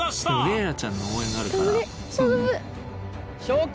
レイラちゃんの応援があるから。